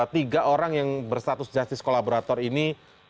tiga orang yang berstatus justice kolaborator ini